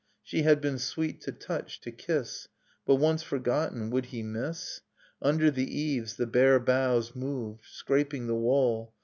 . She had been sweet to touch, to kiss; But once forgotten, would he miss? Under the eaves the bare boughs moved, Scraping the wall